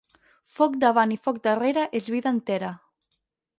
Foc davant i foc darrere és vida entera.